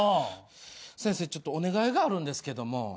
先生ちょっとお願いがあるんですけども。